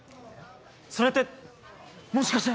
それってもしかして。